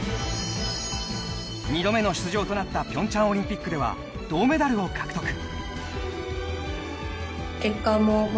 ２度目の出場となった平昌オリンピックでは銅メダルを獲得。